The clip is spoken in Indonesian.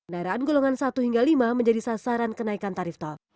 daerah golongan satu hingga lima menjadi sasaran kenaikan tarif tol